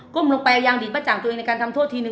ก็มึงลงไปเอายางดินปะจังตัวเองในการทำโทษทีนึง